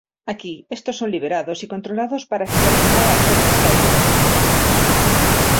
Aquí, estos son liberados y controlados para exterminar al joven Skywalker.